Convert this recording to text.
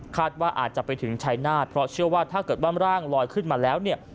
ว่าอาจจะไปถึงชายนาฏเพราะเชื่อว่าถ้าเกิดว่าร่างลอยขึ้นมาแล้วเนี่ย